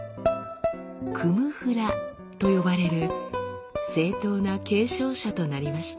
「クム・フラ」と呼ばれる正統な継承者となりました。